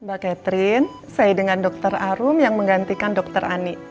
mbak catherine saya dengan dr arum yang menggantikan dokter ani